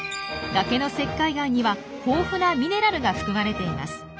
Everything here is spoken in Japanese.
崖の石灰岩には豊富なミネラルが含まれています。